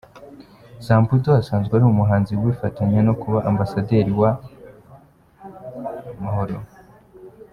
Samputu asanzwe ari umuhanzi ubifatanya no kuba Ambasaderi w’amahoro.